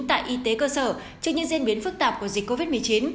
tại y tế cơ sở trước những diễn biến phức tạp của dịch covid một mươi chín